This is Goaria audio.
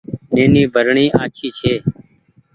نيني برني آڇي ڇي۔